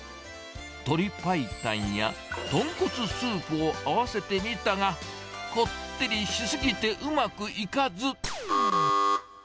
鶏白湯や豚骨スープを合わせてみたが、こってりし過ぎてうまくいかず。